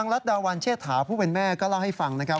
รัฐดาวันเชษฐาผู้เป็นแม่ก็เล่าให้ฟังนะครับ